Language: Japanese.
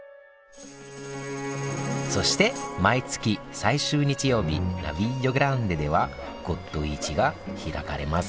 そして毎月最終日曜日ナヴィリオ・グランデでは骨董市が開かれます